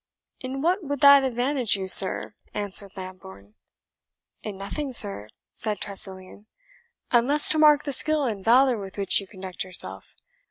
"In what would that advantage you, sir?" answered Lambourne. "In nothing, sir," said Tressilian, "unless to mark the skill and valour with which you conduct yourself.